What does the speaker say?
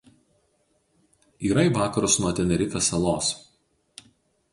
Yra į vakarus nuo Tenerifės salos.